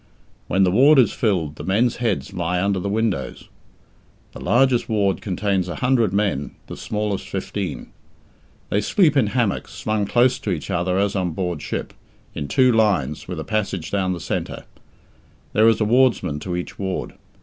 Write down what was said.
When the ward is filled, the men's heads lie under the windows. The largest ward contains a hundred men, the smallest fifteen. They sleep in hammocks, slung close to each other as on board ship, in two lines, with a passage down the centre. There is a wardsman to each ward.